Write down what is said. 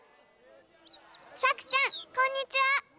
さくちゃんこんにちは！